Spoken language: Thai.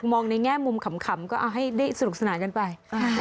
มองในแง่มุมขำก็เอาให้ได้สนุกสนานกันไป